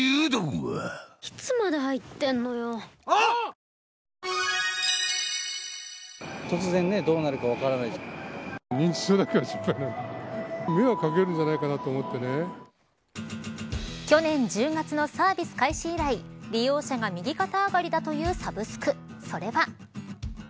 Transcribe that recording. フラミンゴ去年１０月のサービス開始以来利用者が右肩上がりだというサブスクそれは。